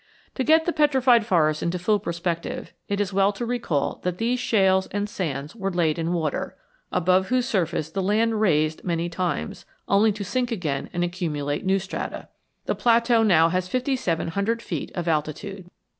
To get the Petrified Forest into full prospective it is well to recall that these shales and sands were laid in water, above whose surface the land raised many times, only to sink again and accumulate new strata. The plateau now has fifty seven hundred feet of altitude.